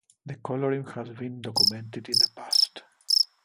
The coloring has been documented in the past.